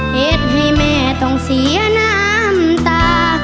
เหตุให้แม่ต้องเสียน้ำตา